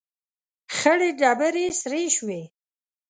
، خړې ډبرې سرې شوې.